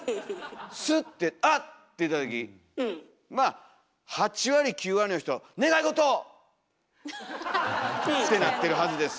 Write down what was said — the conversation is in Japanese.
スッて「あ！」って言った時まあ８割９割の人は「願いごと！」。ってなってるはずです。